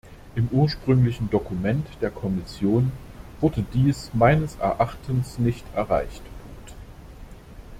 Im ursprünglichen Dokument der Kommission wurde dies meines Erachtens nicht erreicht.